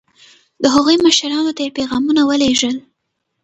د هغوی مشرانو ته یې پیغامونه ولېږل.